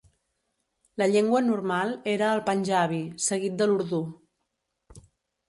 La llengua normal era el panjabi, seguit de l'urdú.